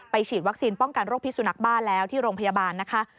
ฉีดวัคซีนป้องกันโรคพิสุนักบ้าแล้วที่โรงพยาบาลนะคะ